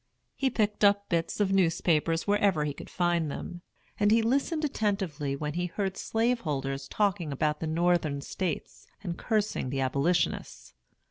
He picked up bits of newspapers wherever he could find them, and he listened attentively when he heard slaveholders talking about the Northern States and cursing the Abolitionists.